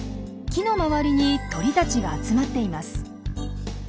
木の周りに鳥たちが集まっています。